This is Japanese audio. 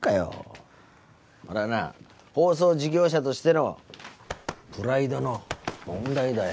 これはな放送事業者としてのプライドの問題だよ。